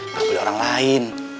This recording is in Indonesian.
gak boleh orang lain